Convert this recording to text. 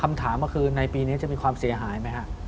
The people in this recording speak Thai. คำถามก็คือในปีนี้จะมีความเสียหายไหมฮะ